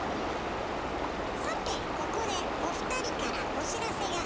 さてここでお二人からお知らせが。